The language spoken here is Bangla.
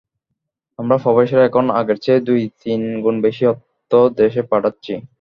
আমরা প্রবাসীরা এখন আগের চেয়ে দুই-তিন গুণ বেশি অর্থ দেশে পাঠাচ্ছি।